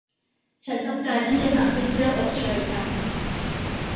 ฉันต้องการที่จะสั่งเพรทเซลอบเชยค่ะ